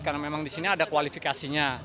karena memang disini ada kualifikasinya